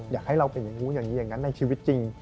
อยากให้เราเป็นอย่างนู้นอย่างนี้อย่างนั้นในชีวิตจริง